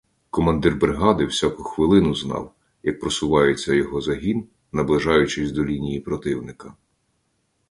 Командир бригади всяку хвилину знав, як просувається його загін, наближаючись до лінії противника.